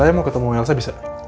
saya mau ketemu elsa bisa